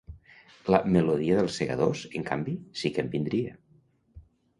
La melodia dels Segadors, en canvi, sí que em vindria.